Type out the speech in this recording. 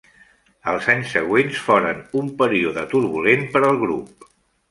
Els anys següents foren un període turbulent per al grup.